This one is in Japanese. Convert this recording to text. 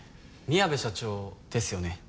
宮部社長ですよね？